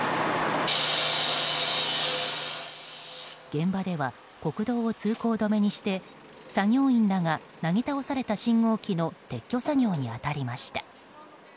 現場では国道を通行止めにして作業員らがなぎ倒された信号機の撤去作業に当たりました。